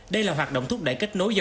đây là hoạt động thúc đẩy kết nối dâu tiền